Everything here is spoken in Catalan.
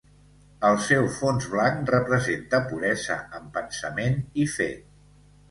El seu fons blanc representa puresa en pensament i fet.